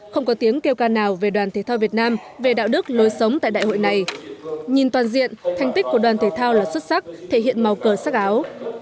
không có tiếng kêu ca nào về đoàn thể thao việt nam về đạo đức lối sống tại đại hội này nhìn toàn diện thành tích của đoàn thể thao là xuất sắc thể hiện màu cờ sắc áo